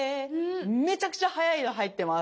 めちゃくちゃ速いの入ってます。